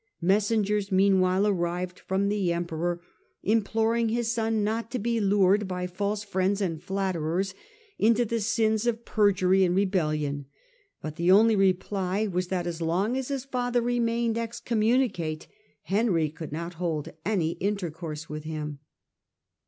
Messengers, meanwhile, arrived from the emperor, imploring his son not to be lured by false friends and flatterers into the sins of perjury and re bellion; but the only reply was that, as long as his father remained excommunicate, Henry could not hold any intercourse with him.